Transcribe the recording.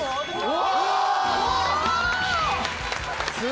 お！